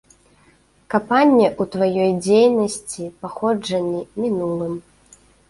Капанне ў тваёй дзейнасці, паходжанні, мінулым.